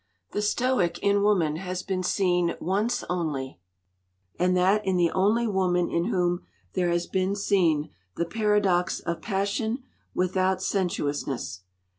The Stoic in woman has been seen once only, and that in the only woman in whom there has been seen the paradox of passion without sensuousness.